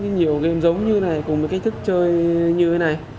trên mạng thì có rất nhiều game giống như thế này cùng cái cách thức chơi như thế này